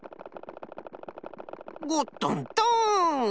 ゴットントーン！